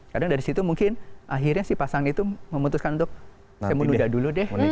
karena dari situ mungkin akhirnya si pasang itu memutuskan untuk saya menunda dulu deh